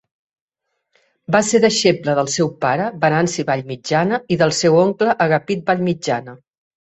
Va ser deixeble del seu pare, Venanci Vallmitjana i del seu oncle Agapit Vallmitjana.